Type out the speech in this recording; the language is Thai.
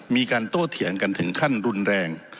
มีการโต้เถียงกันถึงขั้นรุนแรง